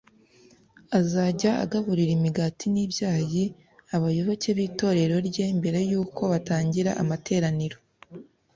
azajya agaburira imigati n’ibyayi abayoboke b’itorero rye mbere y’uko batangira amateraniro